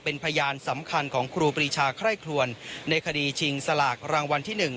เป็นพยานสำคัญของครูปรีชาไคร่ครวนในคดีชิงสลากรางวัลที่๑